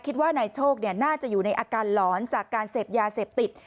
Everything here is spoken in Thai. คิดว่านายโชคน่าจะอยู่ในอาการหลอนจากการเสพยาเสพติด